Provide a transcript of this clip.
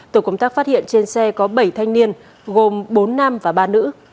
tổ công tác phát hiện trên xe có bảy thanh niên gồm bốn nam và ba nữ